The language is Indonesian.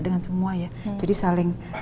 dengan semua ya jadi saling